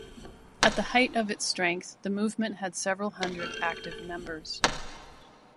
At the height of its strength, the movement had several hundred active members.